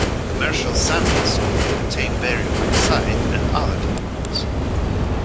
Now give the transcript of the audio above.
Commercial samples often contain barium oxide and other components.